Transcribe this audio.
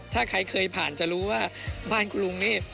ถ้าใครเคยผ่านจะรู้ว่าบ้านคุณลุงนี่